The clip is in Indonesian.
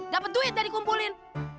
dapet duit dan dikumpulin